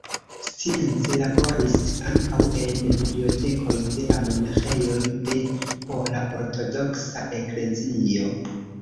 Science laboris ankaŭ en bibliotekoj de la monaĥejoj de Pola Ortodoksa Eklezio.